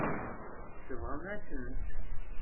Sebɣent-asent-tt.